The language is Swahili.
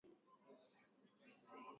Baba anakuita